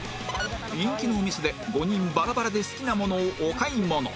人気のお店で５人バラバラで好きなものをお買い物